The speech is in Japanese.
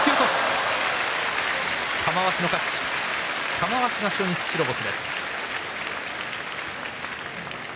玉鷲が初日白星です。